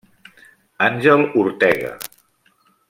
Àngel Ortega.